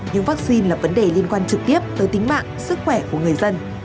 nhưng vaccine là vấn đề liên quan trực tiếp tới tính mạng sức khỏe của người dân